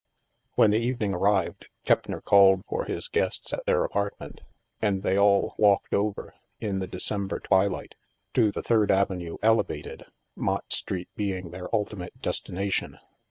When the evening arrived, Keppner called for his guests at their apartment, and they all walked over, in the December twilight, to the Third Avenue ele vated, Mott Street being their ultimate destination.